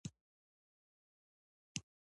د افغانستان ملي سرود چا لیکلی؟